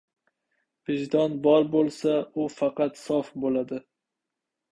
• Vijdon bor bo‘lsa, u faqat… sof bo‘ladi.